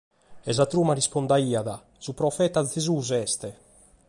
E sa truma respondiat: «Su profeta Gesùs est».